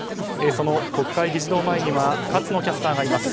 その国会議事堂前には勝野キャスターがいます。